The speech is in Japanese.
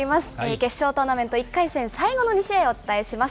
決勝トーナメント１回戦、最後の２試合をお伝えします。